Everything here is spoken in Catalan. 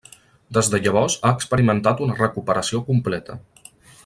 Des de llavors, ha experimentat una recuperació completa.